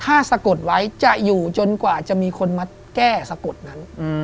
ถ้าสะกดไว้จะอยู่จนกว่าจะมีคนมาแก้สะกดนั้น